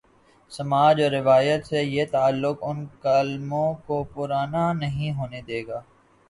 سماج اور روایت سے یہ تعلق ان کالموں کوپرانا نہیں ہونے دے گا۔